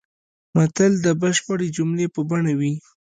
متل د بشپړې جملې په بڼه وي